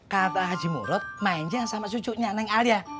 kata haji murud mainnya sama cucunya neng alia